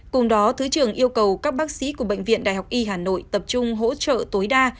cùng đó thứ trưởng yêu cầu các bác sĩ của bệnh viện đại học y hà nội tập trung hỗ trợ tối đa